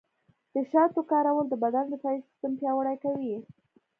د شاتو کارول د بدن دفاعي سیستم پیاوړی کوي.